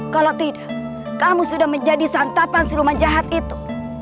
kalau tidak kamu sudah menjadi santapan siluman jahat itu